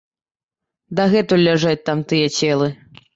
Дагэтуль ляжаць там тыя целы.